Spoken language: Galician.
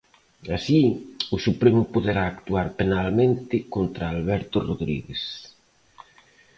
Así, o Supremo poderá actuar penalmente contra Alberto Rodríguez.